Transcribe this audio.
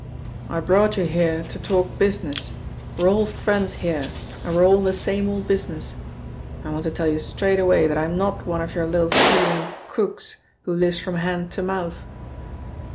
"I brought you here to talk business. We're all friends here, and we're all in the same old business. I want to tell you straight away that I'm not one of your little thieving crooks, who lives from hand to mouth."